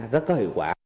rất có hiệu quả